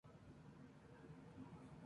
Los asesinos en serie no entienden el rechazo.